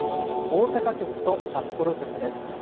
大阪局と札幌局です。